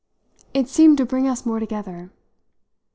It seemed to bring us more together.